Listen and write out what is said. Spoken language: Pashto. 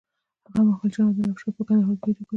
هغه مهال چې نادر افشار پر کندهار برید وکړ.